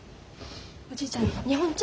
おじいちゃん日本茶？